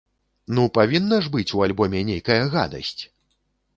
Ну павінна ж быць у альбоме нейкая гадасць!